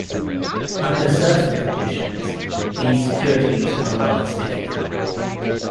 Under certain conditions these securities are rather sticky.